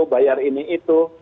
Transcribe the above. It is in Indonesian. bayar ini itu